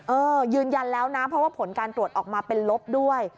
เออยืนยันแล้วนะเพราะว่าผลการตรวจออกมาเป็นลบด้วย